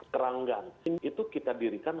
keranggan itu kita dirikan